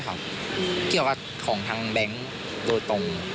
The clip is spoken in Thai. เกี่ยวกับของทางแบงค์โดยตรง